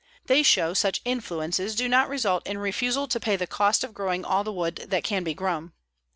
They show such influences do not result in refusal to pay the cost of growing all the wood that can be grown.